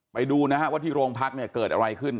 ไปดูนะครับว่าที่โรงพักษณ์เกิดอะไรขึ้น